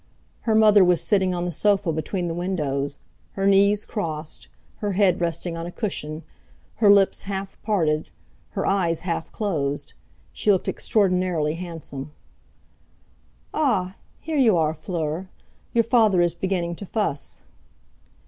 Her mother was sitting on the sofa between the windows, her knees crossed, her head resting on a cushion, her lips half parted, her eyes half closed. She looked extraordinarily handsome. "Ah! Here you are, Fleur! Your father is beginning to fuss."